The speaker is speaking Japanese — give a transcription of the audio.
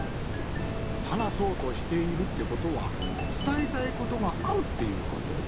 はなそうとしているってことはつたえたいことがあるっていうこと。